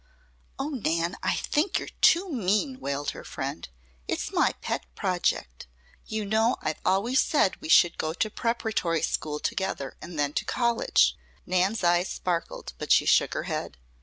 "Oh, Nan! I think you're too mean," wailed her friend. "It's my pet project. You know, I've always said we should go to preparatory school together, and then to college." Nan's eyes sparkled; but she shook her head.